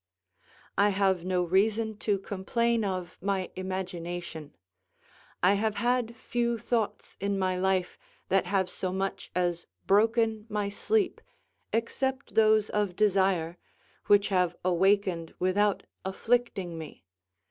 I have no reason to complain of my imagination; I have had few thoughts in my life that have so much as broken my sleep, except those of desire, which have awakened without afflicting me.